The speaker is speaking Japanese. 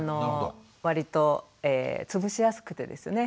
わりとつぶしやすくてですね